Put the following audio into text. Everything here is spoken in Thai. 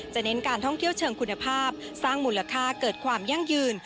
เน้นการท่องเที่ยวเชิงคุณภาพสร้างมูลค่าเกิดความยั่งยืน